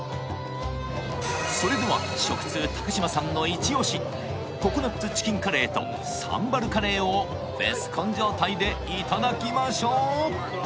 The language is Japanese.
それでは食通嶋さんのイチオシココナッツチキンカレーとサンバルカレーをベスコン状態でいただきましょう！